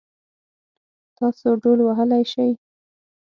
تاسو ډهول وهلی شئ؟